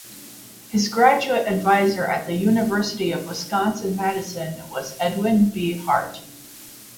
His graduate advisor at the University of Wisconsin-Madison, was Edwin B. Hart.